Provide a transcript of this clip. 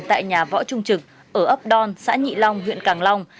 tại nhà võ trung trực ở ấp đòn xã nhị long huyện càng long